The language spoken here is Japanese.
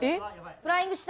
フライングした。